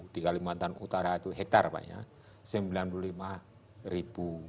di kalimantan utara itu hektare pak ya sembilan puluh lima ribu